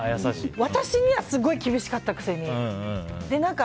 私にはすごい厳しかったくせに。